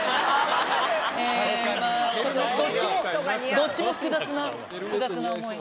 どっちも複雑な思い。